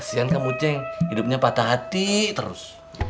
kasian kamu ceng hidupnya patah hati terus